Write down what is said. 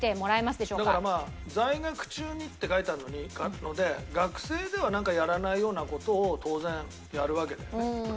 だからまあ在学中にって書いてあるので学生ではやらないような事を当然やるわけだよね。